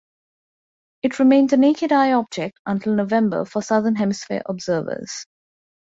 It remained a naked-eye object until November for Southern Hemisphere observers.